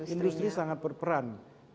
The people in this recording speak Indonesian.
industri sangat berperan